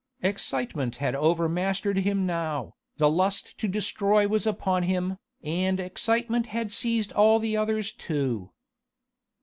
Excitement had overmastered him now, the lust to destroy was upon him, and excitement had seized all the others too.